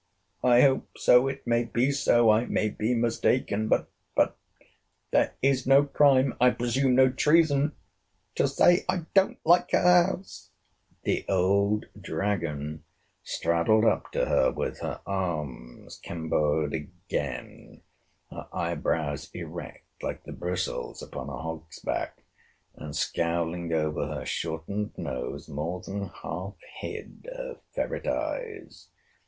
I hope so—it may be so—I may be mistaken—but—but there is no crime, I presume, no treason, to say I don't like her house. The old dragon straddled up to her, with her arms kemboed again—her eye brows erect, like the bristles upon a hog's back, and, scouling over her shortened nose, more than half hid her ferret eyes.